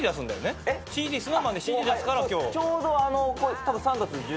ＳｎｏｗＭａｎでＣＤ出すから今日。